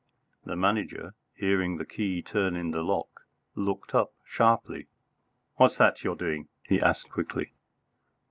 The Manager, hearing the key turn in the lock, looked up sharply. "What's that you're doing?" he asked quickly.